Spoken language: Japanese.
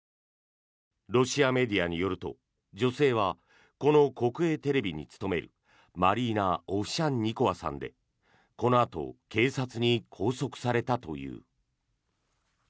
ロシアメディアによると女性はこの国営テレビに勤めるマリーナ・オフシャンニコワさんでこのあと警察に拘束されたという。